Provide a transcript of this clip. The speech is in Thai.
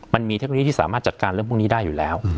เทคโนโลยีที่สามารถจัดการเรื่องพวกนี้ได้อยู่แล้ว